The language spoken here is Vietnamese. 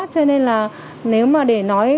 cho nên là nếu mà để nói